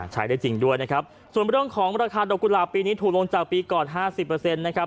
ใช้ได้จริงด้วยนะครับส่วนเรื่องของราคาดอกกุหลาบปีนี้ถูกลงจากปีก่อนห้าสิบเปอร์เซ็นต์นะครับ